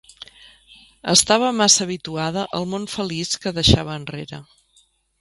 Estava massa habituada al món feliç que deixava enrere.